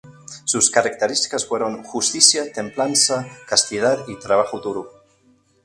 Sus características fueron: justicia, templanza, castidad y trabajo duro.